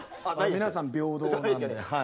皆さん平等なんではい。